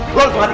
udah lepas aja